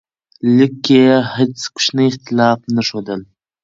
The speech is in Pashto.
لیک کې یې هیڅ کوچنی اختلاف نه ښودل.